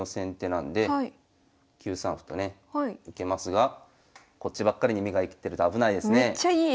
なんで９三歩とね受けますがこっちばっかりに目が行ってると危ないですね。